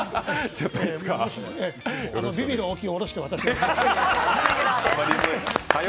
ビビる大木を降ろして私を。